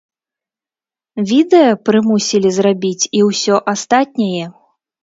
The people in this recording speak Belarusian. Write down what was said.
Відэа прымусілі зрабіць і ўсё астатняе?